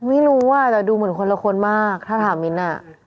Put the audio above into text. ไม่รู้อ่ะแต่ดูเหมือนคนละคนมากถ้าถามมิ้นอ่ะ